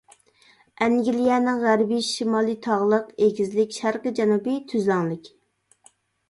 ئەنگلىيەنىڭ غەربىي شىمالى تاغلىق، ئېگىزلىك، شەرقىي جەنۇبى تۈزلەڭلىك.